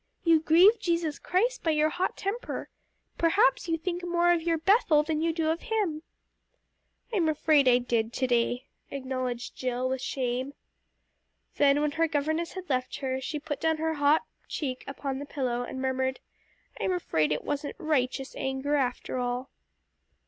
You grieve Jesus Christ by your hot temper. Perhaps you think more of your 'Bethel' than you do of Him!" "I'm afraid I did to day," acknowledged Jill with shame. Then when her governess had left her, she put down her hot cheek upon the pillow, and murmured, "I'm afraid it wasn't 'righteous' anger after all."